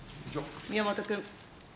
宮本君。